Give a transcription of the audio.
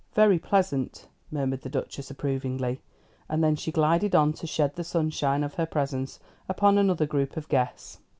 "Very pleasant," murmured the Duchess approvingly: and then she glided on to shed the sunshine of her presence upon another group of guests.